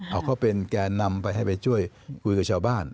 เอาเขาเป็นแก่นำไปให้ไปช่วยคุยกับชาวบ้าน